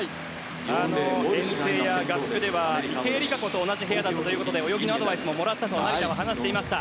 遠征や合宿では池江璃花子と同じ部屋だったということで泳ぎのアドバイスももらったと話していました。